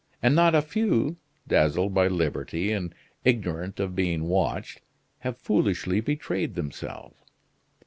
And not a few, dazzled by liberty and ignorant of being watched, have foolishly betrayed themselves.